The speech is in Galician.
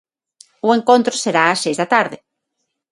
O encontro será ás seis da tarde.